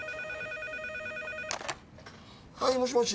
はいもしもし